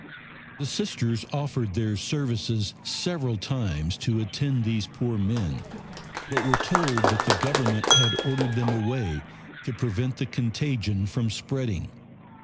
The Sisters offered their services several times to attend these poor men, but were told that the Government had ordered them away to prevent the contagion from spreading.